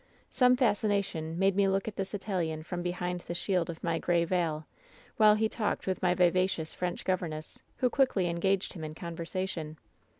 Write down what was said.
"Some fascination made me look at this Italian from behind the shield of my gray veil, while he talked with my vivacious French governess, who quickly engaged him in conversation.